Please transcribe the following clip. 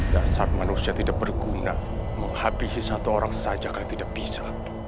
dasar manusia tidak berguna menghabisi satu orang saja karena tidak bisa